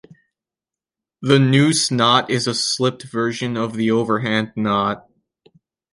The noose knot is a slipped version of the overhand knot.